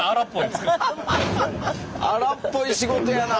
荒っぽい仕事やな。